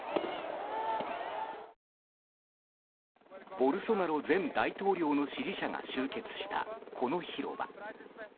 ボルソナロ前大統領の支持者が集結した、この広場。